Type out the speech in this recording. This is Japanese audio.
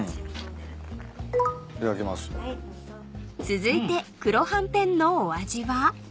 ［続いて黒はんぺんのお味は］